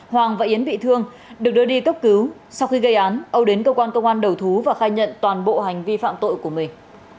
hoàng và yến bị thương được đưa đi cấp cứu sau khi gây án âu đến cơ quan công an đầu thú và khai nhận toàn bộ hành vi phạm tội của mình